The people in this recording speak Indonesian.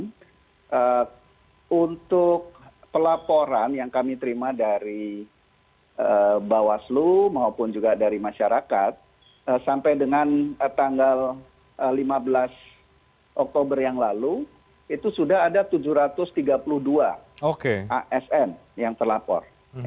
nah untuk pelaporan yang kami terima dari bawaslu maupun juga dari masyarakat sampai dengan tanggal lima belas oktober yang lalu itu sudah ada tujuh ratus tiga puluh dua asn yang terlapor